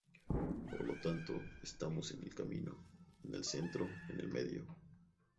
Por lo tanto, estamos en el camino, en el centro, en el medio.